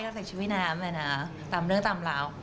แต่ใส่ชุดว่ายน้ำตามเรื่องตามเรา